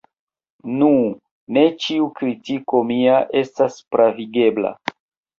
Nu, ne ĉiu kritiko mia estas pravigebla.